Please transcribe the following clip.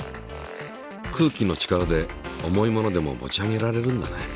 空気の力で重いものでも持ち上げられるんだね。